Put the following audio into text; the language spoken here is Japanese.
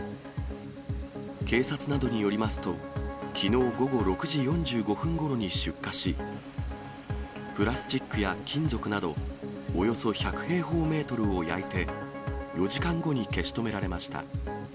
警察などによりますと、きのう午後６時４５分ごろに出火し、プラスチックや金属など、およそ１００平方メートルを焼いて、４時間後に消し止められました。